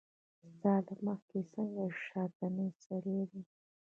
ستا له مخې څنګه شانتې سړی دی